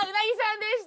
鰻でした！